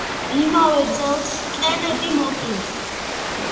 იმავე წელს კენედი მოკლეს.